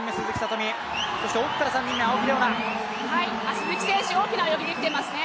鈴木選手、大きな泳ぎできていますね。